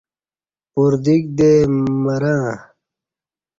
پردیک دےمَرں